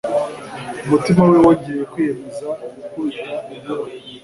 Umutima we wongeye kwiyemeza gukubita inkuba